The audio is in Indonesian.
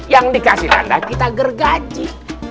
yang dikasih tanda kita gergaji